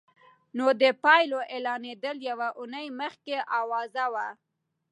نو د پايلو اعلانېدل يوه اونۍ مخکې اوازه وه.